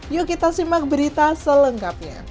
yuk kita simak berita selengkapnya